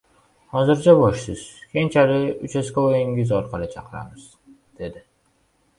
— Hozircha bo‘shsiz, keyinchalik uchastkavoyingiz orqali chaqiramiz! — dedi.